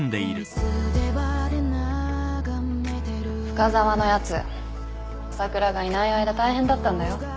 深澤のやつ朝倉がいない間大変だったんだよ。